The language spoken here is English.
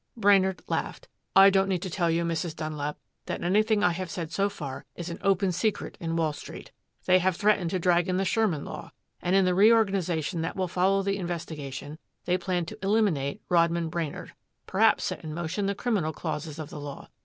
Brainard laughed. "I don't need to tell you, Mrs. Dunlap, that anything I have said so far is an open secret in Wall Street. They have threatened to drag in the Sherman law, and in the reorganization that will follow the investigation, they plan to eliminate Rodman Brainard perhaps set in motion the criminal clauses of the law.